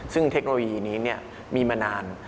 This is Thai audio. ซึ่งเทคโนโลยีนี้มีมานาน